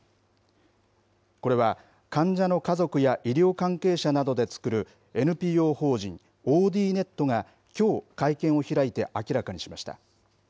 これは患者の家族や医療関係者などで作る、ＮＰＯ法人ＯＤーＮＥＴがきょう会見を開いて明らかにしました。